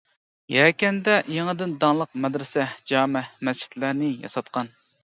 يەكەندە يېڭىدىن داڭلىق مەدرىسە، جامە، مەسچىتلەرنى ياساتقان.